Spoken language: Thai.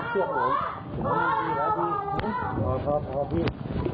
หัวใหญ่หาพอพี่